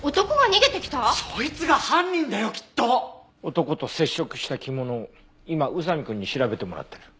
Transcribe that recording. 男と接触した着物を今宇佐見くんに調べてもらってる。